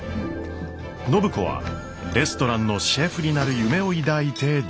暢子はレストランのシェフになる夢を抱いて上京。